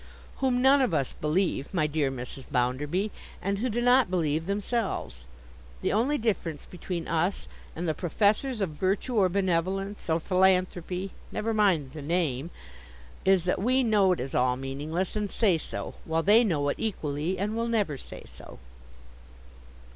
'Whom none of us believe, my dear Mrs. Bounderby, and who do not believe themselves. The only difference between us and the professors of virtue or benevolence, or philanthropy—never mind the name—is, that we know it is all meaningless, and say so; while they know it equally and will never say so.